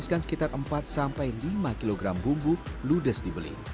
berhakan sekitar empat sampai lima kg bumbu ludes dibeli